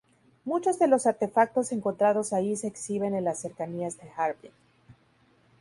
Muchos de los artefactos encontrados allí se exhiben en las cercanías de Harbin.